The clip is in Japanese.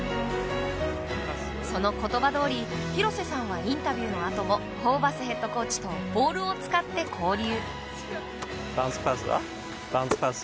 その言葉どおり、広瀬さんはインタビューのあともホーバスヘッドコーチとボールを使って交流。